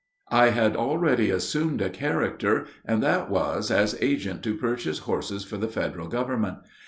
I had already assumed a character, and that was as agent to purchase horses for the Federal Government.